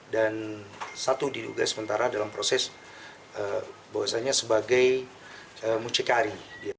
dan satu diduga sementara dalam proses bahwasannya sebagai mucikari